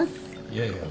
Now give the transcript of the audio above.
いやいや。